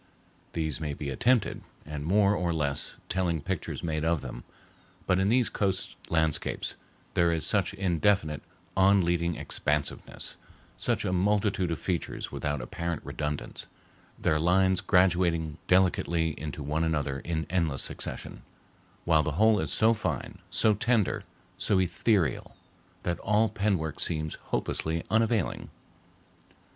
These may be attempted, and more or less telling pictures made of them; but in these coast landscapes there is such indefinite, on leading expansiveness, such a multitude of features without apparent redundance, their lines graduating delicately into one another in endless succession, while the whole is so fine, so tender, so ethereal, that all pen work seems hopelessly unavailing.